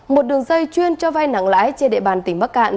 một đường dây chuyên cho vai nặng lãi trên đệ bàn tỉnh bắc cạn